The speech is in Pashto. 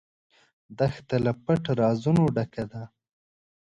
دښته له پټ رازونو ډکه ده.